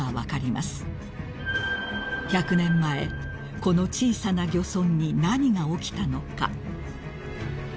［１００年前この小さな漁村に何が起きたのか］